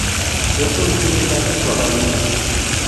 Se ha producido un cambio en su apariencia.